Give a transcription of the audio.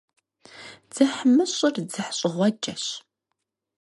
ДзыхьмыщӀыр дзыхьщӀыгъуэджэщ.